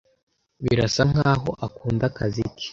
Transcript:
Birasa nkaho akunda akazi ke.